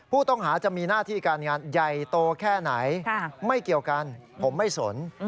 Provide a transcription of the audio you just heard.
ผู้ต้องหาจะมีหน้าที่การงานใหญ่โตแค่ไหนไม่เกี่ยวกันผมไม่สน